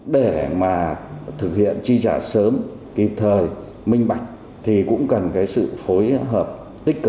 để mà thực hiện chi trả sớm kịp thời minh bạch thì cũng cần cái sự phối hợp tích cực